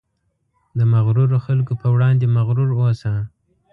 د مغرورو خلکو په وړاندې مغرور اوسه.